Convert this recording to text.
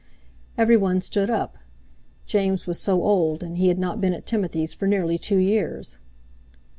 Everyone stood up. James was so old; and he had not been at Timothy's for nearly two years.